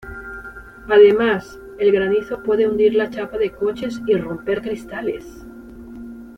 Además, el granizo puede hundir la chapa de coches y ¡romper cristales!